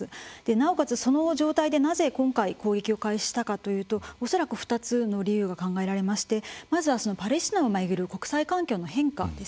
なおかつ、その状態でなぜ今回攻撃を開始したかというと恐らく２つの理由が考えられましてまずパレスチナを巡る国際環境の変化